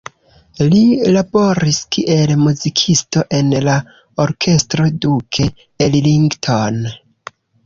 Li laboris kiel muzikisto en la Orkestro Duke Ellington.